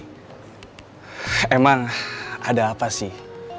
emang ada apa sih